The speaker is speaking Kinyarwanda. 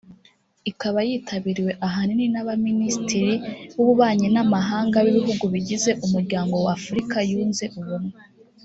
ikaba yitabiriwe ahanini na ba Minisitiri b’Ububanyi n’Amahanga b’ibihugu bigize Umuryango wa Afurika Yunze Ubumwe